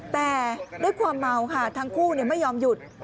แต่ด้วยความเมาค่ะทั้งคู่ไม่ยอมหยุด